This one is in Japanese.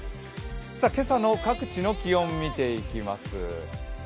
今朝の各地の気温、見ていきます。